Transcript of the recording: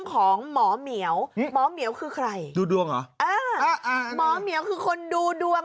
ของหมอเหมียวหมอเหมียวคือใครดูดวงเหรออ่าหมอเหมียวคือคนดูดวง